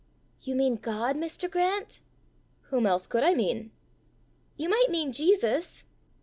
"You mean God, Mr. Grant?" "Whom else could I mean?" "You might mean Jesus."